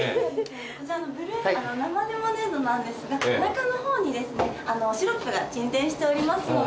こちらの生レモネードなんですが中の方にシロップが沈殿しておりますので。